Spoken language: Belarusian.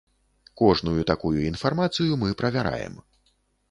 Кожную такую інфармацыю мы правяраем.